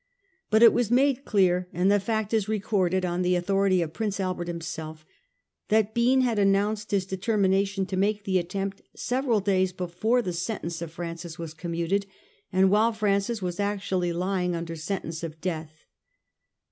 But it was made clear, and the fact is recorded on the authority of Prince Albert himself, that Bean had announced his determination to make the attempt several days before the sentence of Francis was commuted, and while Francis was actually lying under sentence of death.